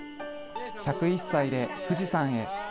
１０１歳で富士山へ。